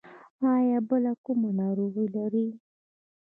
ایا بله کومه ناروغي لرئ؟